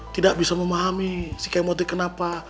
tidak bisa memahami si kemot kenapa